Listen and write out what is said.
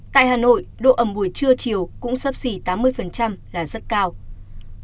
tại hà nội độ ẩm buổi trưa chiều cũng sắp xỉ tám mươi là rất cao